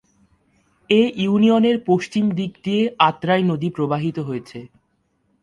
এ ইউনিয়নের পশ্চিম দিক দিয়ে আত্রাই নদী প্রবাহিত হয়েছে।